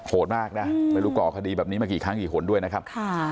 มากนะไม่รู้ก่อคดีแบบนี้มากี่ครั้งกี่คนด้วยนะครับ